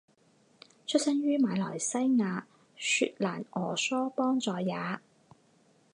出生于马来西亚雪兰莪梳邦再也。